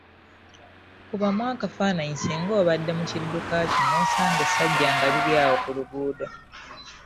Kubamu akafaananyi singa obadde mu kidduka kyo nosanga essajja nga liri awo ku luguudo.